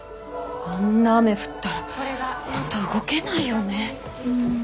あんな雨降ったら本当動けないよね。